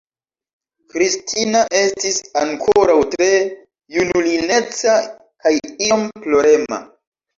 Kristina estis ankoraŭ tre junulineca kaj iom plorema.